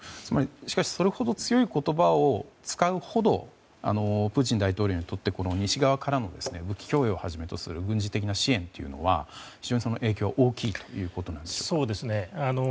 しかしそれほど強い言葉を使うほどプーチン大統領にとって西側からの武器供与をはじめとする軍事的支援は非常に影響は大きいということですか？